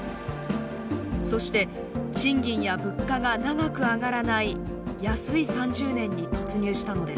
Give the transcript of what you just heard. そして賃金や物価が長く上がらない「安い３０年」に突入したのです。